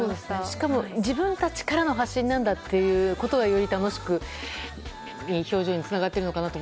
しかも、自分たちからの発信なんだということがより楽しくいい表情につながっているのかなと。